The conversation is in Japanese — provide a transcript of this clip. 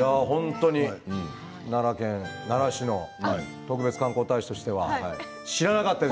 本当に奈良県奈良市の特別観光大使としては知らなかったです。